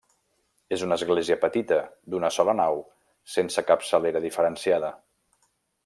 És una església petita, d'una sola nau, sense capçalera diferenciada.